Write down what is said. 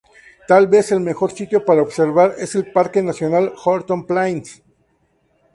Tal vez el mejor sitio para observarla es en el parque nacional Horton Plains.